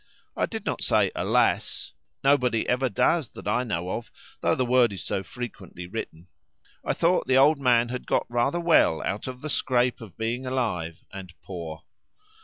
I did not say "alas!" (nobody ever does that I know of, though the word is so frequently written). I thought the old man had got rather well out of the scrape of being alive, and poor.